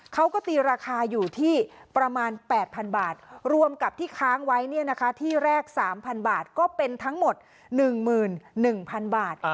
เขาก็ตีราคาอยู่ที่ประมาณ๘๐๐๐บาทรวมกับที่ค้างไว้ที่แรก๓๐๐บาทก็เป็นทั้งหมด๑๑๐๐๐บาท